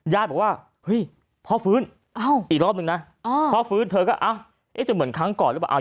บอกว่าเฮ้ยพ่อฟื้นอีกรอบนึงนะพ่อฟื้นเธอก็จะเหมือนครั้งก่อนหรือเปล่า